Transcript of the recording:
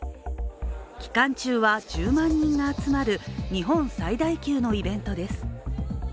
期間中は１０万人が集まる日本最大級のイベントです。